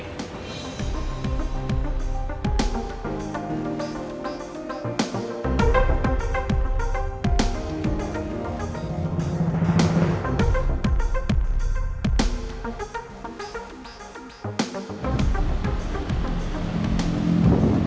dan gua bakal jagain putri